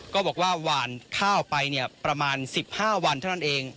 ก็บอกว่าหวานข้าวไปประมาณ๑๕วันเท่านั้นเอง